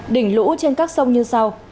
đỉnh lũ trên các sông như sau